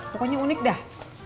pokoknya unik dah